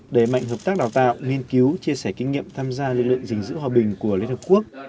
đẩy mạnh hợp tác đào tạo nghiên cứu chia sẻ kinh nghiệm tham gia lực lượng gìn giữ hòa bình của liên hợp quốc